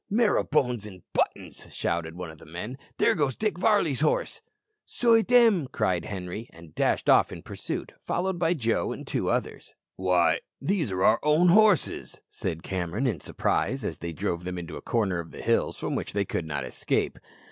"Marrow bones and buttons!" shouted one of the men, "there goes Dick Varley's horse." "So it am!" cried Henri, and dashed off in pursuit, followed by Joe and two others. "Why, these are our own horses," said Cameron in surprise, as they drove them into a corner of the hills from which they could not escape.